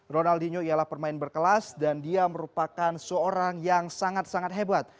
ronaldinho ialah pemain berkelas dan dia merupakan seorang yang sangat sangat hebat